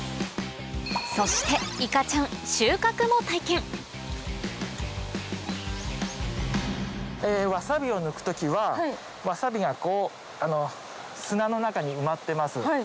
そしていかちゃんわさびを抜く時はわさびがこう砂の中に埋まってます。